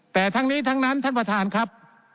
แต่ทั้งนี้ทั้งนั้นท่านประธานครับ